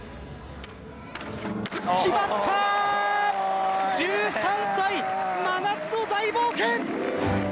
決まった１３歳、真夏の大冒険。